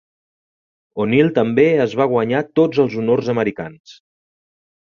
O"Neil també es va guanyar tots els honors americans.